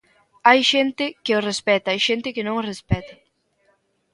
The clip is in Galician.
Hai xente que o respecta e xente que non o respecta.